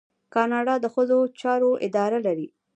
کاناډا د ښځو چارو اداره لري.